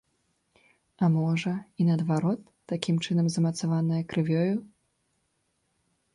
А можа, і наадварот такім чынам змацаванае крывёю.